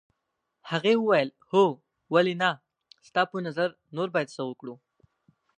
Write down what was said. هغې وویل هو ولې نه ستا په نظر نور باید څه وکړو.